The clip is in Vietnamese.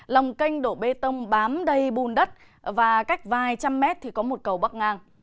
lòng canh đổ bê tông bám đầy bùn đất và cách vài trăm mét thì có một cầu bắc ngang